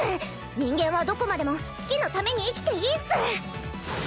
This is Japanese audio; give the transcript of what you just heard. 人間はどこまでも好きのために生きていいっス。